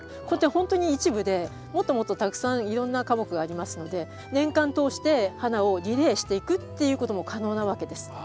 これってほんとに一部でもっともっとたくさんいろんな花木がありますので年間通して花をリレーしていくっていうことも可能なわけです。